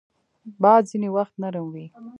باد ځینې وخت نرم وي